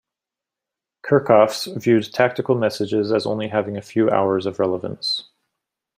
Kerckhoffs viewed tactical messages as only having a few hours of relevance.